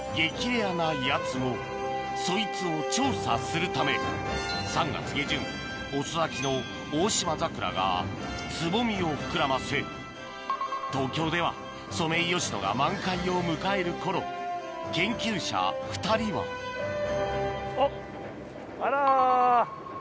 レアなやつもそいつを調査するため３月下旬遅咲きの大島桜がつぼみを膨らませ東京ではソメイヨシノが満開を迎える頃研究者２人は正直。